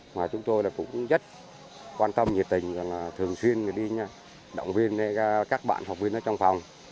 mà chúng tôi cũng rất quan tâm nhiệt tình thường xuyên đi động viên các bạn học viên ở trong phòng